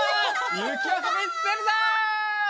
ゆきあそびするぞ！